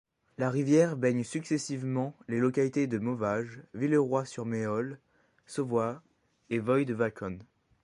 La rivière baigne successivement les localités de Mauvages, Villeroy-sur-Méholle, Sauvoy et Void-Vacon.